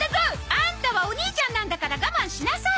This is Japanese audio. アンタはお兄ちゃんなんだから我慢しなさい！